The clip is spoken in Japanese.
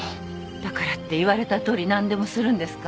だからって言われたとおり何でもするんですか？